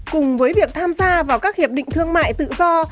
cùng với việc tham gia vào các hiệp định thương mại tự do